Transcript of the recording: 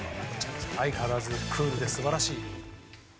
相変わらずクールで素晴らしい。